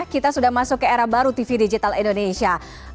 kita sudah masuk ke era baru tv digital indonesia